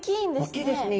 大きいですね。